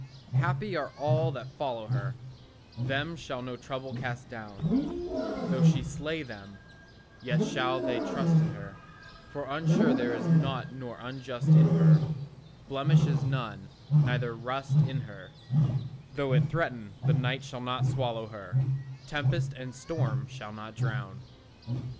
Happy are all they that follow her; Them shall no trouble cast down; Though she slay them, yet shall they trust in her, For unsure there is nought nor unjust in her, Blemish is none, neither rust in her; Though it threaten, the night shall not swallow her, Tempest and storm shall not drown.